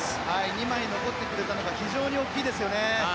２枚残ってくれたのが非常に大きいですね。